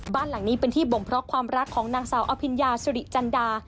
บ้านหลังนี้เป็นที่บ่งเพราะความรักของนางสาวอภิญญาสุริจันดา